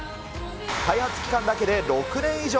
開発期間だけで６年以上。